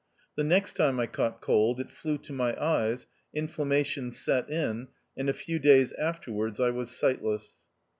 The next time I caught cold, it flew to my eyes, inflammation set in, and a few days afterwards I was sightless.